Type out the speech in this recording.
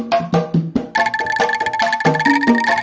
semoga tak ada penyiasat